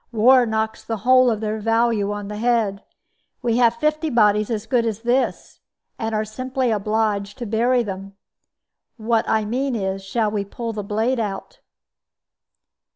War knocks the whole of their value on the head. We have fifty bodies as good as this, and are simply obliged to bury them. What I mean is, shall we pull the blade out?"